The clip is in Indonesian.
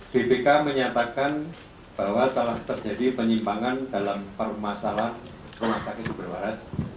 bpk menyatakan bahwa telah terjadi penyimpangan dalam permasalahan rumah sakit sumber waras